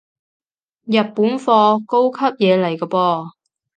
日本貨，高級嘢嚟個噃